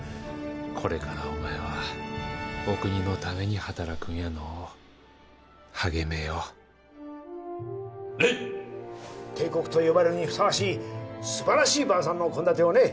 これからお前はお国のために働くんやのう励めよ礼帝国と呼ばれるにふさわしい素晴らしい晩さんの献立をね